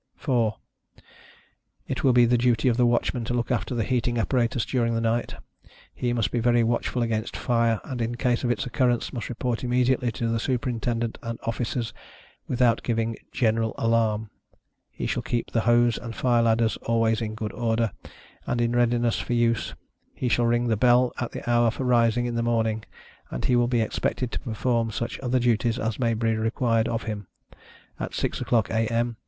4. It will be the duty of the Watchman to look after the heating apparatus during the night; he must be very watchful against fire, and in case of its occurrence, must report immediately to the Superintendent and officers without giving general alarm; he shall keep the hose and fire ladders always in good order, and in readiness for use; he shall ring the bell at the hour for rising in the morning, and he will be expected to perform such other duties as may be required of him. At six oâ€™clock A.Â M.